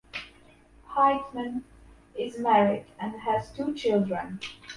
Heitmann is married and has two children.